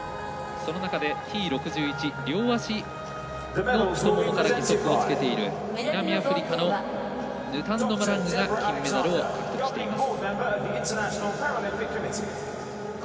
その中でＴ６１両足の太ももから義足をつけている南アフリカのヌタンド・マラングが金メダルを獲得しています。